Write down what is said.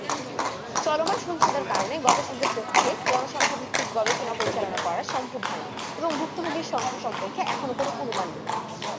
চলমান সহিংসতার কারণে গবেষকদের পক্ষে জনসংখ্যা ভিত্তিক গবেষণা পরিচালনা করা সম্ভব হয়নি এবং ভুক্তভোগীর সংখ্যা সম্পর্কে এখনও কোন অনুমান নেই।